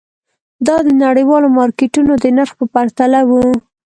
دا د نړیوالو مارکېټونو د نرخ په پرتله وو.